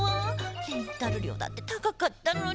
レンタルりょうだってたかかったのに。